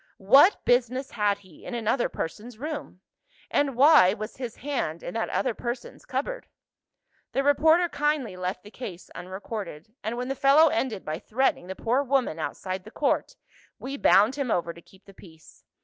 What business had he in another person's room? and why was his hand in that other person's cupboard? The reporter kindly left the case unrecorded; and when the fellow ended by threatening the poor woman outside the court, we bound him over to keep the peace.